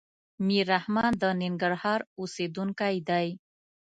ميررحمان د ننګرهار اوسيدونکی دی.